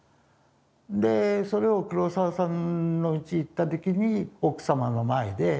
でそれを黒澤さんのうち行った時に奥様の前で話をして。